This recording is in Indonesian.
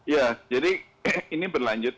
ya jadi ini berlanjut